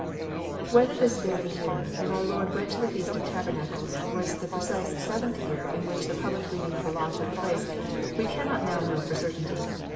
Whether this very year, when our Lord went to the feast of tabernacles, was the precise seventh year in which the public reading of the law took place, we cannot now know for certainty.